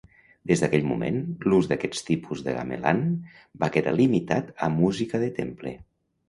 Des d'aquell moment, l'ús d'aquest tipus de gamelan va quedar limitat a música de temple.